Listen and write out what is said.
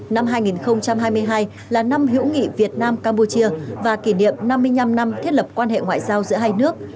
năm hai nghìn hai mươi hai là năm hữu nghị việt nam campuchia và kỷ niệm năm mươi năm năm thiết lập quan hệ ngoại giao giữa hai nước